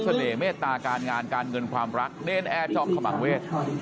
คุณเสน่ห์เมตตาการงานการเงินความรักเน้นแอบชอบขมังเวศ